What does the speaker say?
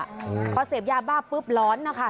พอเสพยาบ้าปุ๊บร้อนนะคะ